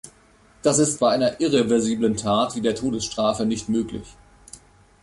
Das ist bei einer irreversiblen Tat wie der Todesstrafe nicht möglich.